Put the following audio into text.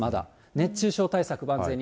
熱中症対策、万全に。